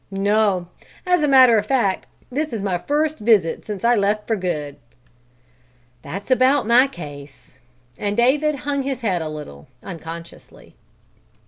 "No; as a matter of fact this is my first visit since I left for good." "That's about my case." And David, hung his head a little, unconsciously.